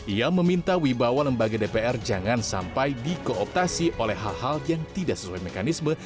ia meminta wibawa lembaga dpr jangan sampai dikooptasi oleh hal hal yang tidak sesuai mekanisme